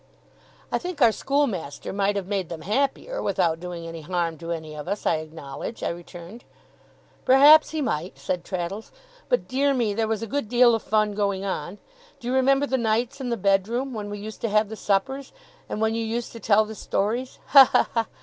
'I think our schoolmaster might have made them happier, without doing any harm to any of us, I acknowledge,' I returned. 'Perhaps he might,' said Traddles. 'But dear me, there was a good deal of fun going on. Do you remember the nights in the bedroom? When we used to have the suppers? And when you used to tell the stories? Ha, ha, ha!